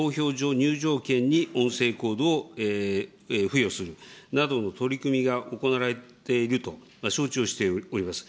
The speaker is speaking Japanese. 入場券に音声コードを付与するなどの取り組みが行われていると承知をしております。